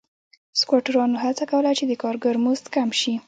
سکواټورانو هڅه کوله چې د کارګرو مزد کم شي.